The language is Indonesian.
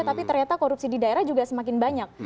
tapi ternyata korupsi di daerah juga semakin banyak